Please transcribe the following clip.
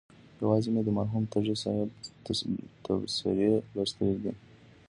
یوازې مې د مرحوم تږي صاحب تبصرې لوستلي دي.